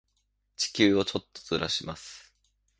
地球をちょっとずらします。